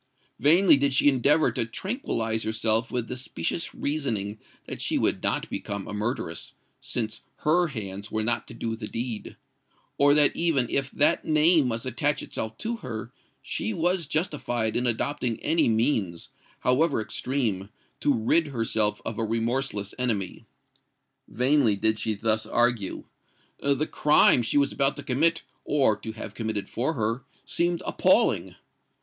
Vainly did she endeavour to tranquillise herself with the specious reasoning that she would not become a murderess, since her hands were not to do the deed,—or that even if that name must attach itself to her, she was justified in adopting any means, however extreme, to rid herself of a remorseless enemy:—vainly did she thus argue:—the crime she was about to commit, or to have committed for her, seemed appalling!